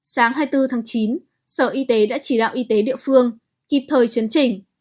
sáng hai mươi bốn tháng chín sở y tế đã chỉ đạo y tế địa phương kịp thời chấn trình